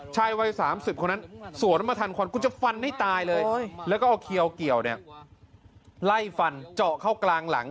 ชายวัย๓๐คนนั้นสวนมาทันควันกูจะฟันให้ตายเลยแล้วก็เอาเขียวเกี่ยวเนี่ยไล่ฟันเจาะเข้ากลางหลัง